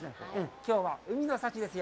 きょうは海の幸ですよ。